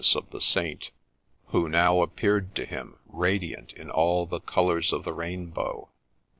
40 GREY DOLPHIN of the Saint, who now appeared to him radiant in all the colours of the rainbow.